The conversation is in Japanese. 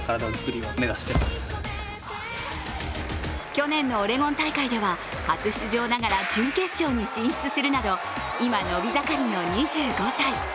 去年のオレゴン大会では初出場ながら準決勝に進出するなど今、伸び盛りの２５歳。